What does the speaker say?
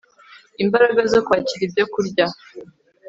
imbaraga zo kwakira ibyokurya